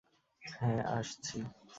হ্যাঁ, আসছি!